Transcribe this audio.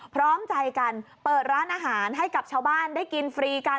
พร้อมใจกันเปิดร้านอาหารให้กับชาวบ้านได้กินฟรีกัน